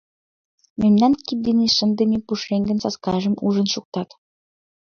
Мемнан кид дене шындыме пушеҥгын саскажым ужын шуктат.